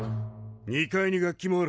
２階に楽器もある。